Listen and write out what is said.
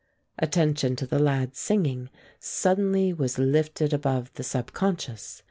Attention to the lad's singing suddenly was lifted above the subconscious.